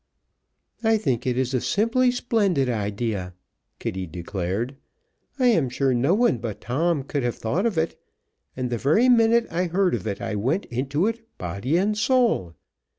"I think it is a simply splendid idea!" Kitty declared. "I am sure no one but Tom could have thought of it, and the very minute I heard of it I went into it body and soul.